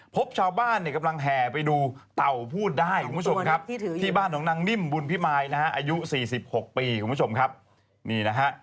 พบชาวบ้านกำลังแห่ไปดูเต่าพูดได้ที่บ้านของนางนิ่มบุญพิมายอายุ๔๖ปี